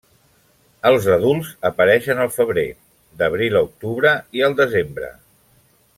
Els adults apareixen al febrer, d'abril a octubre i al desembre.